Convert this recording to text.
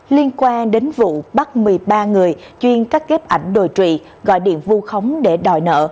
liên quan đến vụ bắt một mươi ba người chuyên cắt ghép ảnh đồi trụy gọi điện vu khống để đòi nợ